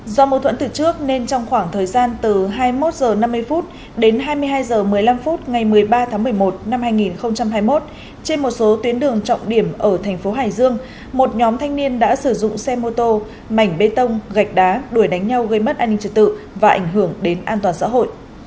do mâu thuẫn từ trước nên trong khoảng thời gian từ hai mươi một h năm mươi đến hai mươi hai h một mươi năm phút ngày một mươi ba tháng một mươi một năm hai nghìn hai mươi một trên một số tuyến đường trọng điểm ở thành phố hải dương một nhóm thanh niên đã sử dụng xe mô tô mảnh bê tông gạch đá đuổi đánh nhau gây mất an ninh trật tự và ảnh hưởng đến an toàn xã hội